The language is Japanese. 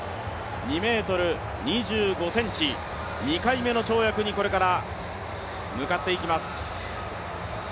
２ｍ２５ｃｍ、２回目の跳躍にこれから向かっていきます。